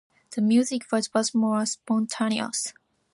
The music was much more spontaneous.